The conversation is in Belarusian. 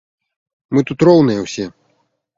Мы тут роўныя ўсе!